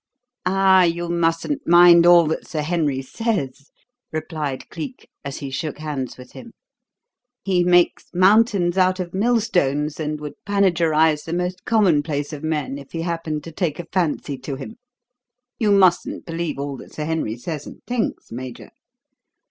"Ah, you mustn't mind all that Sir Henry says," replied Cleek, as he shook hands with him. "He makes mountains out of millstones, and would panegyrize the most commonplace of men if he happened to take a fancy to him. You mustn't believe all that Sir Henry says and thinks, Major."